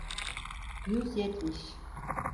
Yüz yetmiş.